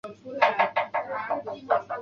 妳为什么要哭